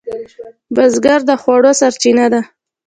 بزګر د خوړو سرچینه ده